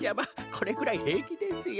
これくらいへいきですよ。